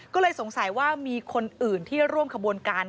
ก็เลยสงสัยว่ามีคนอื่นที่ร่วมขบวนการ